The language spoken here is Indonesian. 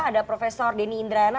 ada profesor denny indrayana